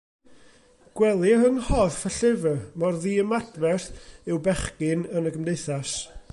Gwelir yng nghorff y llyfr mor ddiymadferth yw bechgyn yn y gymdeithas.